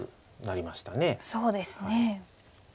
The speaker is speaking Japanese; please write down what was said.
そうですね。